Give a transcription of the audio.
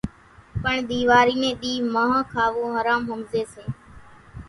پڻ ۮيواري ني ۮِي مانۿ کاوون حرام ۿمزي سي